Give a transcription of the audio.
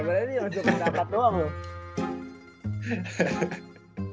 maksudnya ini langsung dapat doang loh